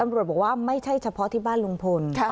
บอกว่าไม่ใช่เฉพาะที่บ้านลุงพล